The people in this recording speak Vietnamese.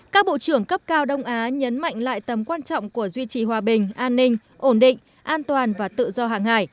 các bộ trưởng cấp cao đông á nhấn mạnh lại tầm quan trọng của duy trì hòa bình an ninh ổn định an toàn và tự do hàng hải